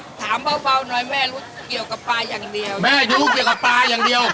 ถามเบาหน่อยแม่รู้เกี่ยวกับปลาอย่างเดียวแม่รู้เกี่ยวกับปลาอย่างเดียว